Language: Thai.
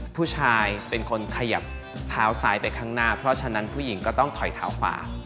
ผู้ชายเป็นคนขยับเท้าซ้ายไปข้างหน้าเพราะฉะนั้นผู้หญิงก็ต้องถอยเท้าขวา